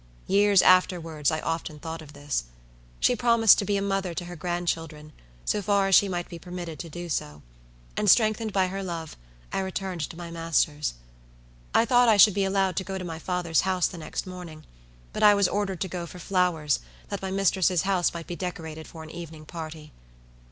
Years afterwards I often thought of this. She promised to be a mother to her grandchildren, so far as she might be permitted to do so; and strengthened by her love, I returned to my master's. I thought I should be allowed to go to my father's house the next morning; but I was ordered to go for flowers, that my mistress's house might be decorated for an evening party.